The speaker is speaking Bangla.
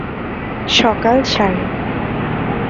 সকাল সাড়ে।